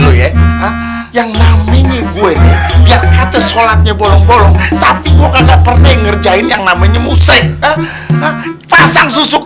bernamanya gue lihat robert soalnya bolong bolong k enggak pernah ngerjain yang namanya musrik h h h h